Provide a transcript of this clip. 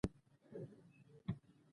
د ننګرهار په کوز کونړ کې څه شی شته؟